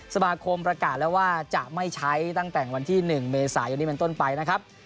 สมาคมประกาศแล้วว่าจะไม่ใช้ตั้งแต่วันที่๑เมษายนนี้เป็นต้นไปนะครับ